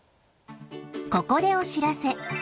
ここでお知らせ。